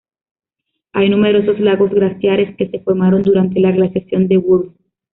Hay numerosos lagos glaciares que se formaron durante la glaciación de Würm.